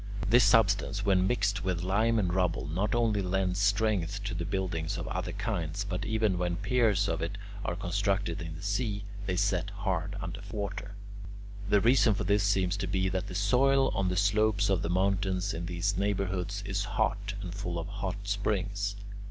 This substance, when mixed with lime and rubble, not only lends strength to buildings of other kinds, but even when piers of it are constructed in the sea, they set hard under water. The reason for this seems to be that the soil on the slopes of the mountains in these neighbourhoods is hot and full of hot springs.